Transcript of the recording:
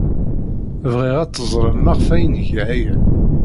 Bɣiɣ ad teẓrem maɣef ay nga aya.